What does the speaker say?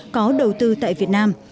có đầu tư tại việt nam